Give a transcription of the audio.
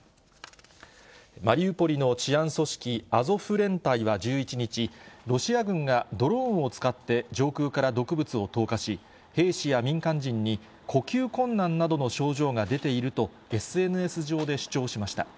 マリウポリの治安組織、アゾフ連隊は１１日、ロシア軍がドローンを使って上空から毒物を投下し、兵士や民間人に呼吸困難などの症状が出ていると、ＳＮＳ上で主張しました。